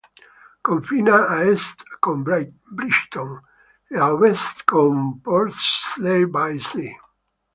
Confina a est con Brighton e a ovest con Portslade-by-Sea.